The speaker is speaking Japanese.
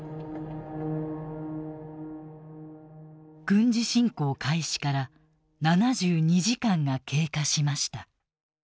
軍事侵攻開始から７２時間が経過しました。